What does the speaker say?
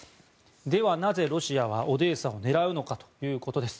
ではなぜロシアはオデーサを狙うのかということです。